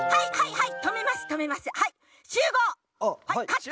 はい！